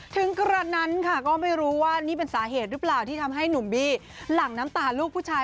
กระนั้นค่ะก็ไม่รู้ว่านี่เป็นสาเหตุหรือเปล่าที่ทำให้หนุ่มบี้หลั่งน้ำตาลูกผู้ชาย